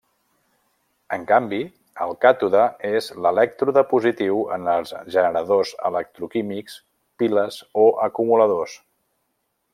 En canvi, el càtode és l'elèctrode positiu en els generadors electroquímics, piles o acumuladors.